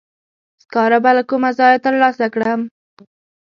سکاره به له کومه ځایه تر لاسه کړم؟